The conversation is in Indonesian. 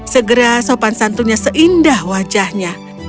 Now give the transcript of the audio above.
segera sopan santunnya seindah wajahnya